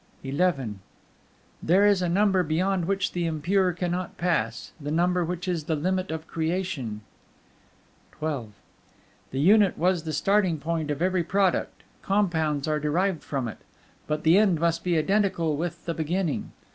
XI There is a Number beyond which the impure cannot pass: the Number which is the limit of creation. XII The Unit was the starting point of every product: compounds are derived from it, but the end must be identical with the beginning.